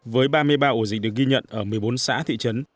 với ba mươi ba ổ dịch được ghi nhận ở một mươi bốn xã thị trấn